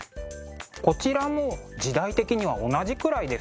こちらも時代的には同じくらいですか？